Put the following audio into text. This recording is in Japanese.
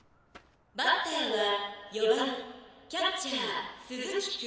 「バッターは４番キャッチャー鈴木くん」。